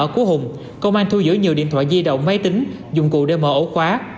công an thư giữ nhiều điện thoại di động máy tính dụng cụ để mở ổ khóa